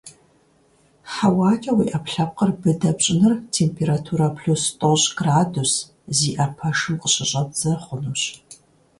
ХьэуакӀэ уи Ӏэпкълъэпкъыр быдэ пщӀыныр температурэ плюс тӀощӀ градус зиӀэ пэшым къыщыщӀэбдзэ хъунущ.